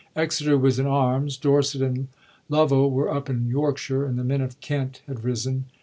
Exeter was in arms ; Dorset and Lovel were up in Yorkshire ; and the men of Kent had risen.